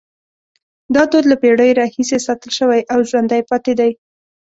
دا دود له پیړیو راهیسې ساتل شوی او ژوندی پاتې دی.